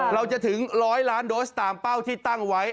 เราจะถึง๑๐๐ล้านโดสตามเป้าที่ตั้งไว้